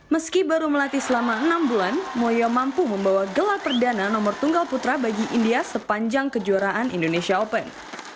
meski baru melatih selama enam bulan moyo mampu membawa gelar perdana nomor tunggal putra bagi india sepanjang kejuaraan indonesia open